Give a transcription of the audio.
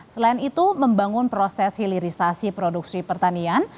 selain itu membangun proses hilirisasi produksi pertanian